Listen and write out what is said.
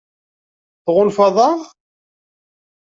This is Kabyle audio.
Tɣunfaḍ-aɣ?